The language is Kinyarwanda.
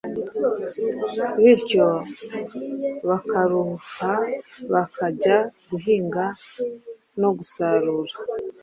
Bityo bakaruha bajya guhinga no gusarura